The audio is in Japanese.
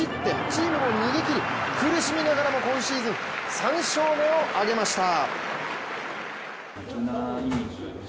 チームも逃げ切り、苦しみながらも今シーズン３勝目を挙げました。